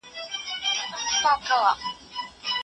ورځي ستړو منډو یووړې شپې د ګور غیږي ته لویږي